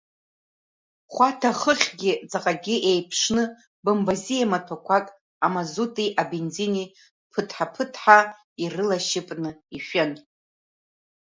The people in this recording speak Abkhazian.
Хәаҭа хыхьгьы ҵаҟагьы еиԥшны бымбазиа маҭәақәак, амазути абензини ԥыҭҳ-ԥыҭҳа ирылашьыпны ишәын.